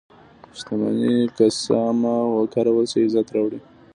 • شتمني که سمه وکارول شي، عزت راوړي.